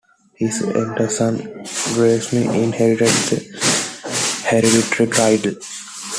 His elder son Graeme inherited the hereditary title.